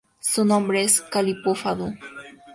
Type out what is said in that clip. Su nombre es Calypo-Fado.